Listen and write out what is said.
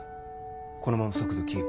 このまま速度キープ。